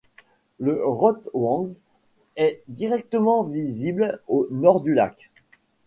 Le Rote Wand est directement visible au nord du lac.